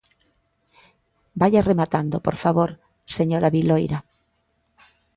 Vaia rematando, por favor, señora Viloira.